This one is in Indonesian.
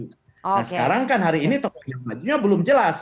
nah sekarang kan hari ini tokoh yang majunya belum jelas